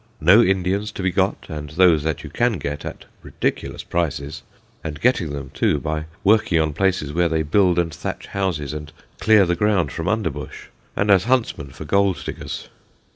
No Indians to be got, and those that you can get at ridiculous prices, and getting them, too, by working on places where they build and thatch houses and clear the ground from underbush, and as huntsmen for gold diggers.